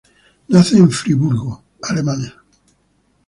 Nace en Friburgo, Alemania.